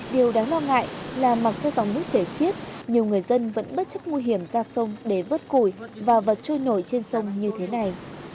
điều đáng lo ngại là mặc cho dòng nước chảy xiết nhiều người dân vẫn bất chấp nguy hiểm ra sông để vớt củi và vật trôi nổi trên sông như thế này